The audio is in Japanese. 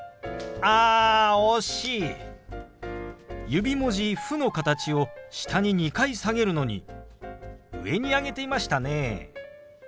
指文字「フ」の形を下に２回下げるのに上に上げていましたね。